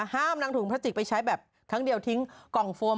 ห้ามนำถุงพลาสติกไปใช้แบบครั้งเดียวทิ้งกล่องโฟม